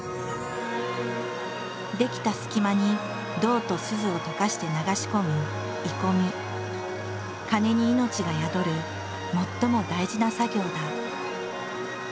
出来た隙間に銅と錫を溶かして流し込む鐘に命が宿る最も大事な作業だ。